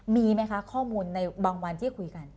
มีไหมคะข้อมูลในบางวันเลือกขึ้น